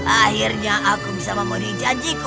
akhirnya aku bisa memenuhi janjiku